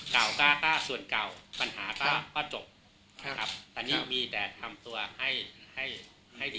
เก่าก้าถ่ายส่วนเก่าฟัญหาก็ก็จบนะครับ